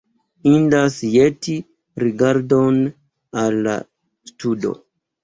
Indas ĵeti rigardon al la studo.